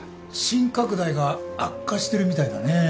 心拡大が悪化してるみたいだねぇ。